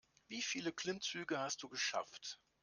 Wie viele Klimmzüge hast du geschafft?